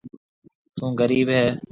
ٿُون غرِيب هيَ۔